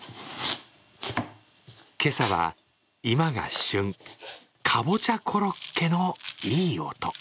今朝は今が旬、かぼちゃコロッケのいい音。